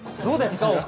どうですか？